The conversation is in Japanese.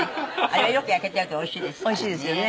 あれはよく焼けてるとおいしいですからね。